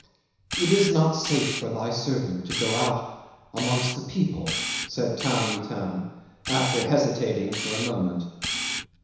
"It is not safe for thy servant to go out amongst the people," said Tamb' Itam, after hesitating a moment.